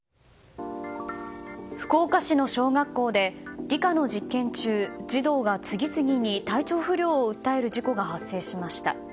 福岡市の小学校で理科の実験中児童が次々に体調不良を訴える事故が発生しました。